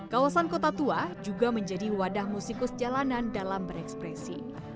kawasan kota tua juga menjadi wadah musikus jalanan dalam berekspresi